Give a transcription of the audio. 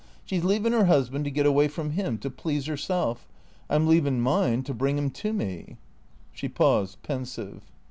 She 's leavin' 'er 'usband to get away from' im, to please 'erself . I 'm leavin' mine to bring 'im to me." She paused, pensive.